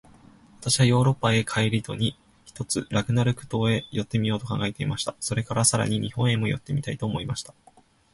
私はヨーロッパへの帰り途に、ひとつラグナグ島へ寄ってみようと考えていました。それから、さらに日本へも寄ってみたいと思いました。